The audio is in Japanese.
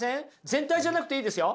全体じゃなくていいですよ。